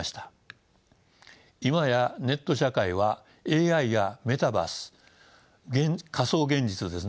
今やネット社会はＡＩやメタバース仮想現実ですね